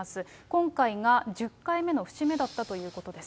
今回が１０回目の節目だったということです。